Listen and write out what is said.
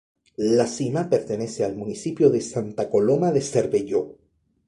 La Cima pertenece al municipio de Santa Coloma de Cervelló.